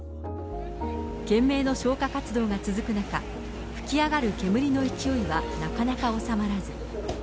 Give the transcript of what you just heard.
懸命の消火活動が続く中、噴き上がる煙の勢いはなかなか収まらず。